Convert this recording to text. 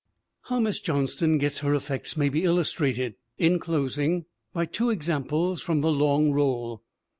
How Miss Johnston gets her effects may be illus trated, in closing, by two examples from The Long Roll.